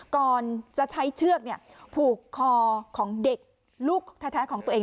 ก่อนจะใช้เชือกผูกคอของเด็กลูกแท้ของตัวเอง